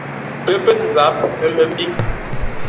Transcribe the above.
Pə́ pə̂ nzáp, ə́ mə́ mbíŋ: